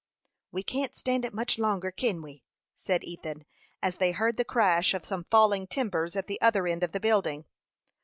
"We can't stand it much longer kin we?" said Ethan, as they heard the crash of some falling timbers at the other end of the building.